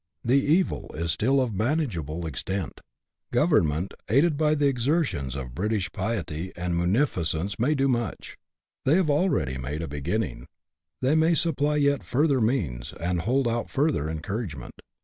The evil is still of manageable extent. Government, aided by the exertions of British piety and munificence, may do much. They have already made a 34 BUSH LIFE IN AUSTRALIA. [chap. hi. beginning ; they may supply yet further means, and hold out further encouragement.